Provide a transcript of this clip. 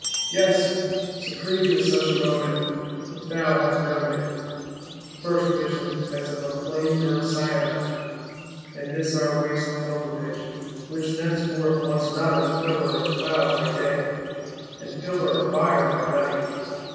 Yes, supreme is such a moment (if thou have known it): first vision as of a flame girt Sinai, in this our waste Pilgrimage,—which thenceforth wants not its pillar of cloud by day, and pillar of fire by night!